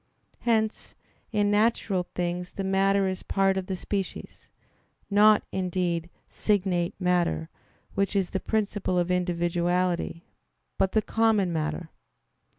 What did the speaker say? Hence in natural things the matter is part of the species; not, indeed, signate matter, which is the principle of individuality; but the common matter.